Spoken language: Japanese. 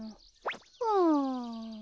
うん。